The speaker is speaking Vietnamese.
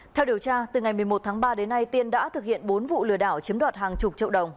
theo điều tra từ ngày một mươi một tháng ba đến nay tiên đã thực hiện bốn vụ lừa đảo chiếm đoạt hàng chục triệu đồng